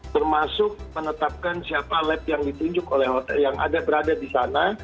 termasuk menetapkan siapa lab yang ditunjuk oleh hotel yang ada berada di sana